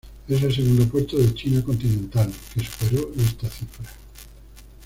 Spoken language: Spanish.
Es el segundo puerto de China continental que superó esta cifra.